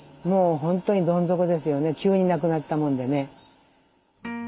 急に亡くなったもんでね。